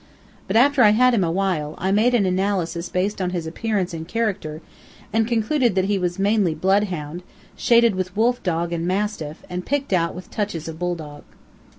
But after I had had him awhile, I made an analysis based on his appearance and character, and concluded that he was mainly blood hound, shaded with wolf dog and mastiff, and picked out with touches of bull dog.